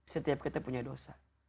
setiap kita punya dosa